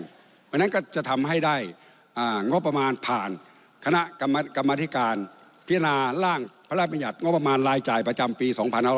เพราะฉะนั้นก็จะทำให้ได้งบประมาณผ่านคณะกรรมธิการพิจารณาร่างพระราชบัญญัติงบประมาณรายจ่ายประจำปี๒๕๖๐